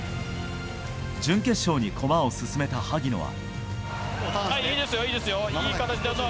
準決勝に駒を進めた萩野は。